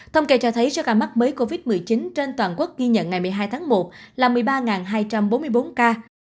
thông kê cho thấy số ca mắc mới covid một mươi chín trên toàn quốc ghi nhận ngày một mươi hai tháng một là một mươi ba hai trăm bốn mươi bốn ca